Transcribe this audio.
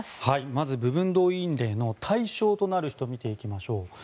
まず部分動員令の対象となる人を見ていきましょう。